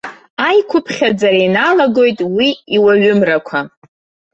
Аиқәыԥхьаӡара иналагоит уи иуаҩымрақәа.